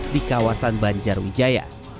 di kawasan banjarwijaya